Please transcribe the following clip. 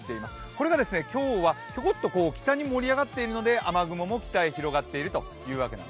これが今日はひょこっと北に盛り上がっているので雨雲も北へ広がっています